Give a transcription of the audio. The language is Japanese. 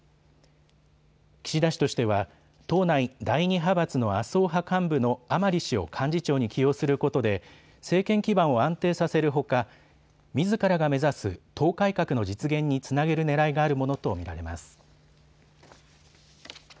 岸田氏としては党内第２派閥の麻生派幹部の甘利氏を幹事長に起用することで政権基盤を安定させるほかみずからが目指す党改革の実現につなげるねらいがあるものと見られます。